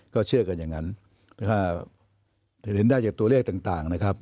ก็เชื่อกันอย่างนั้นถ้าจะเห็นได้จากตัวเลขต่างนะครับ